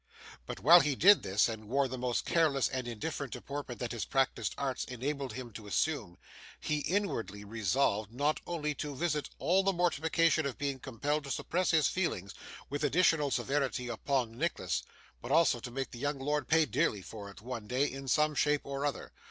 But while he did this, and wore the most careless and indifferent deportment that his practised arts enabled him to assume, he inwardly resolved, not only to visit all the mortification of being compelled to suppress his feelings, with additional severity upon Nicholas, but also to make the young lord pay dearly for it, one day, in some shape or other.